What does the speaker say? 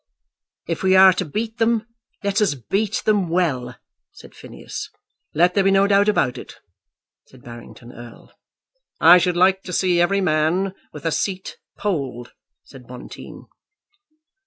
"If we are to beat them, let us beat them well," said Phineas. "Let there be no doubt about it," said Barrington Erle. "I should like to see every man with a seat polled," said Bonteen.